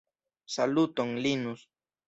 Saluton Linus!